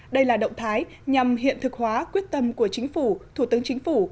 đây là động thái nhằm hiện thực hóa quyết tâm của chính phủ thủ tướng chính phủ